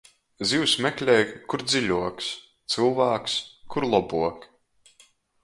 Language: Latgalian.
Zivs meklej, kur dziļuoks, cylvāks, kur lobuok.